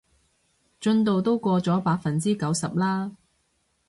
進度都過咗百分之九十啦